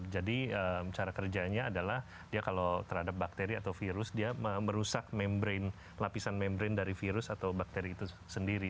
jadi cara kerjanya adalah dia kalau terhadap bakteri atau virus dia merusak membrane lapisan membrane dari virus atau bakteri itu sendiri